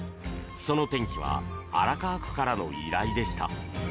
その転機は荒川区からの依頼でした。